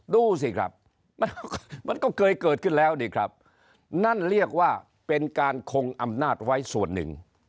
ดูสิครับมันก็เคยเกิดขึ้นแล้วนี่ครับนั่นเรียกว่าเป็นการคงอำนาจไว้ส่วนหนึ่ง